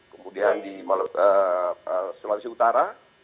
kemudian di sulawesi utara